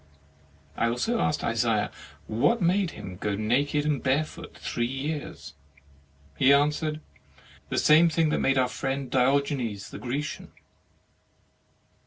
I also asked Isaiah what made him go naked and barefoot three years. He answered: "The same that made our friend Diogenes the Grecian."